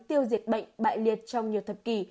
tiêu diệt bệnh bại liệt trong nhiều thập kỷ